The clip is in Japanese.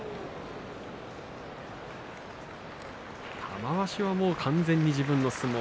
玉鷲はもう完全に自分の相撲。